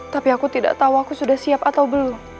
tapi aku tidak tahu aku sudah siap atau belum